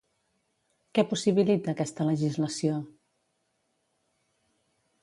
Què possibilita, aquesta legislació?